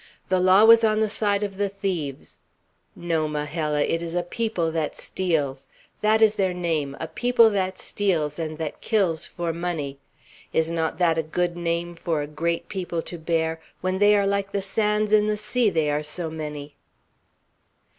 The law was on the side of the thieves. No, Majella, it is a people that steals! That is their name, a people that steals, and that kills for money. Is not that a good name for a great people to bear, when they are like the sands in the sea, they are so many?"